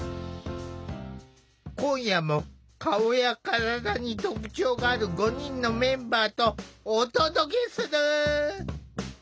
今夜も顔や体に特徴がある５人のメンバーとお届けする。